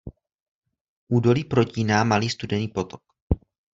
Údolí protíná Malý Studený potok.